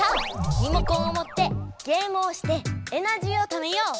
リモコンをもってゲームをしてエナジーをためよう！